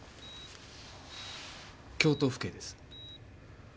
京都府警です。